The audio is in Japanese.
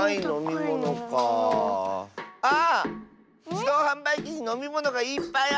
じどうはんばいきにのみものがいっぱいある！